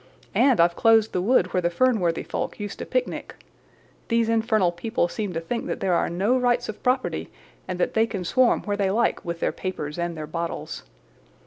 And I've closed the wood where the Fernworthy folk used to picnic. These infernal people seem to think that there are no rights of property, and that they can swarm where they like with their papers and their bottles.